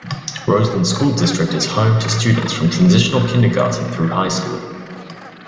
Roseland School District is home to students from transitional kindergarten through high school.